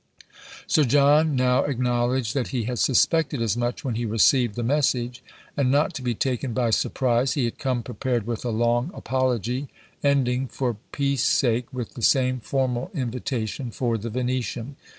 Sir John now acknowledged that he had suspected as much when he received the message; and not to be taken by surprise, he had come prepared with a long apology, ending, for peace sake, with the same formal invitation for the Venetian.